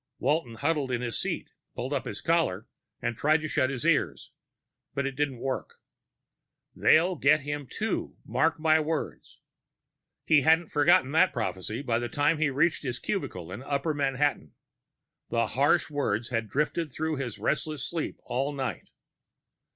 Walton, huddling in his seat, pulled up his collar, and tried to shut his ears. It didn't work. They'll get him too, mark my words. He hadn't forgotten that prophecy by the time he reached his cubicle in upper Manhattan. The harsh words had drifted through his restless sleep all night.